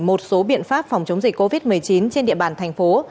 một số biện pháp phòng chống dịch covid một mươi chín trên địa bàn thành phố